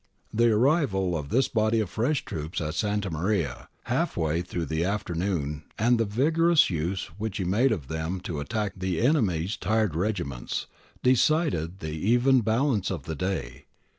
The arrival of this body of fresh troops at Santa Maria, half way ' Appendix L, lo. CAUSES OF THE VICTORY 257 through the afternoon, and the vigorous use which he made of them to attack the enemy's tired regiments, de cided the even balance of the day.